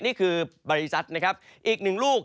นี่คือบริษัทนะครับอีกหนึ่งลูก